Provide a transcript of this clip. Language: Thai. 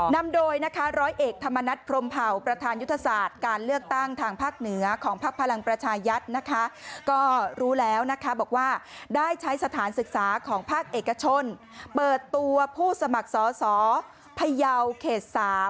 นำโดยนะคะร้อยเอกธรรมนัฐพรมเผาประธานยุทธศาสตร์การเลือกตั้งทางภาคเหนือของพักพลังประชายัดนะคะก็รู้แล้วนะคะบอกว่าได้ใช้สถานศึกษาของภาคเอกชนเปิดตัวผู้สมัครสอสอพยาวเขต๓